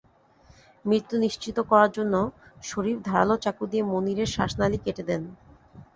মৃত্যু নিশ্চিত করার জন্য শরিফ ধারালো চাকু দিয়ে মনিরের শ্বাসনালি কেটে দেন।